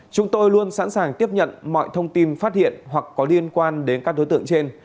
chúng tôi luôn sẵn sàng tiếp nhận mọi thông tin phát hiện hoặc có liên quan đến các đối tượng trên